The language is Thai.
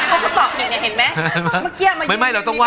เขาก็ตอบถูกไงเห็นมั้ย